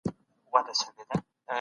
حکومت باید د خلګو پوښتنه وکړي.